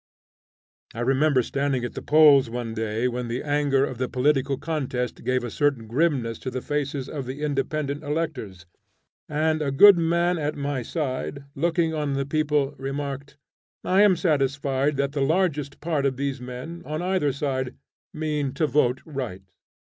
I remember standing at the polls one day when the anger of the political contest gave a certain grimness to the faces of the independent electors, and a good man at my side, looking on the people, remarked, "I am satisfied that the largest part of these men, on either side, mean to vote right."